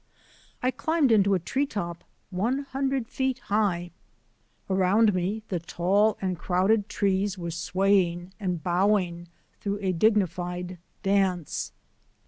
I climbed into a tree top one hundred feet high. Around me the tall and crowded trees were sway ing and bowing through a dignified dance.